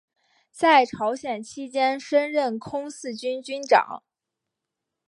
在朝鲜期间升任空四军军长。